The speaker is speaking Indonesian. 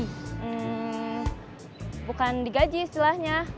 hmm bukan di gaji istilahnya